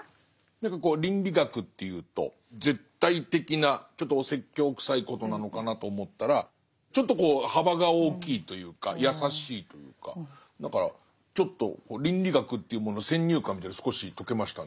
何かこう倫理学っていうと絶対的なちょっとお説教くさいことなのかなと思ったらちょっと幅が大きいというか優しいというかだからちょっと倫理学というものの先入観みたいなの少し解けましたね。